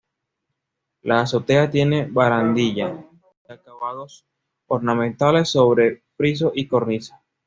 La azotea tiene barandilla y acabados ornamentales, sobre friso y cornisa.